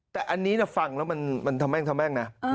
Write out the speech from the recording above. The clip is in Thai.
แต่อันนี้ฟังแล้วมันทะแม่งแม่งนะ